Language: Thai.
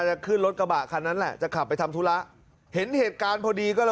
จะขึ้นรถกระบะคันนั้นแหละจะขับไปทำธุระเห็นเหตุการณ์พอดีก็เลย